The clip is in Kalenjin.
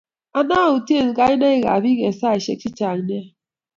Ane autie kainaik ab bik eng saisek chechang nea